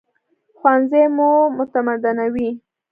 ښوونځی مو متمدنوي